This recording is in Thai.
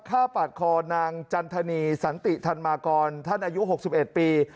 ปาดคอนางจันทนีสันติธรรมากรท่านอายุ๖๑ปี